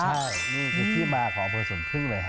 ใช่นี่คือที่มาขอโปรดส่งพึ่งเลยฮะ